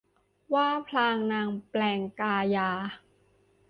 ว่าพลางนางแปลงกายา